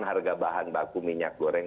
harga bahan baku minyak goreng